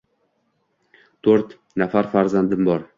To'rt nafar farzandim bor.